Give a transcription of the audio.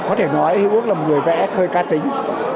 có thể nói hiếu ước là một người vẽ khơi ca tính